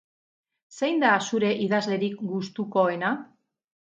Zein da zeure idazlerik gustukoena?